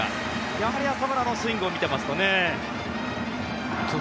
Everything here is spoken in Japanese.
やはり浅村のスイングを見ていますと。